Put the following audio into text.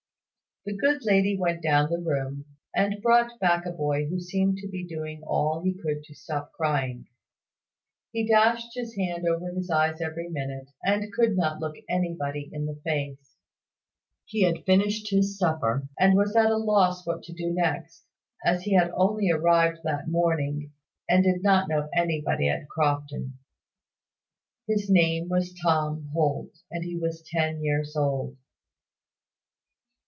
The good lady went down the room, and brought back a boy who seemed to be doing all he could to stop crying. He dashed his hand over his eyes every minute, and could not look anybody in the face. He had finished his supper, and was at a loss what to do next, as he had only arrived that morning, and did not know anybody at Crofton. His name was Tom Holt, and he was ten years old.